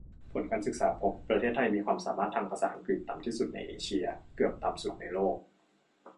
ผลการศึกษาพบ ประเทศไทยมีความสามารถภาษาอังกฤษต่ำที่สุดในเอเชีย เกือบต่ำสุดในโลก